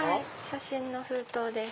写真の封筒です。